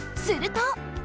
すると。